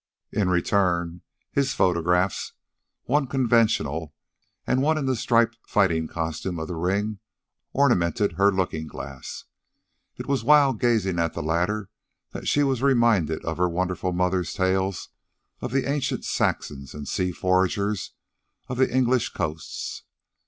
In return, his photographs, one conventional and one in the stripped fighting costume of the ring, ornamented her looking glass. It was while gazing at the latter that she was reminded of her wonderful mother's tales of the ancient Saxons and sea foragers of the English coasts.